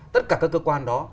tất cả các cơ quan đó